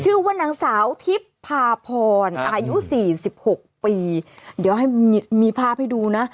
ชื่อว่านางสาวทิพย์พาพรอายุสี่สิบหกปีเดี๋ยวให้มีภาพให้ดูนะ